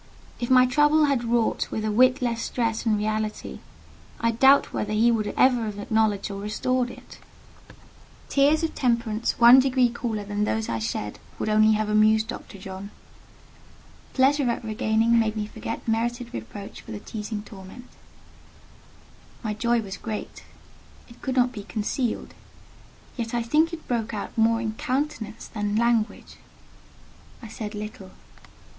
If my trouble had wrought with a whit less stress and reality, I doubt whether he would ever have acknowledged or restored it. Tears of temperature one degree cooler than those I shed would only have amused Dr. John. Pleasure at regaining made me forget merited reproach for the teasing torment; my joy was great; it could not be concealed: yet I think it broke out more in countenance than language. I said little.